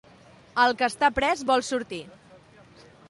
El que està pres vol sortir.